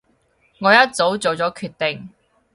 我一早做咗決定